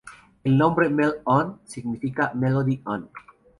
El nombre MelOn significa "melody on".